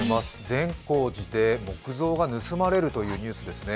善光寺で木像が盗まれるというニュースですね。